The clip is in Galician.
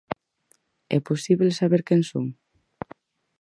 É posíbel saber quen son?